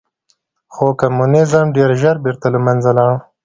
خو کمونیزم ډېر ژر بېرته له منځه لاړ.